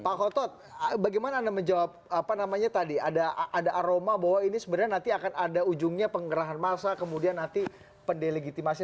pak hotot bagaimana anda menjawab apa namanya tadi ada aroma bahwa ini sebenarnya nanti akan ada ujungnya penggerahan massa kemudian nanti pendelegitimasi